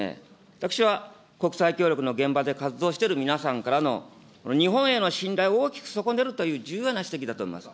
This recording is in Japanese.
私は国際協力の現場で活動している皆さんからの日本への信頼を大きく損ねるという重要な指摘だと思います。